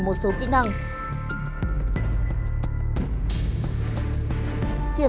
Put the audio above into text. một số thông tin